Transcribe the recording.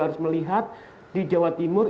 harus melihat di jawa timur